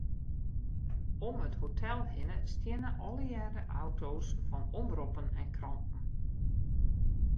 Om it hotel hinne stiene allegearre auto's fan omroppen en kranten.